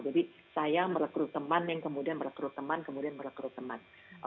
saya merekrut teman yang kemudian merekrut teman kemudian merekrut teman